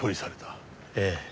ええ。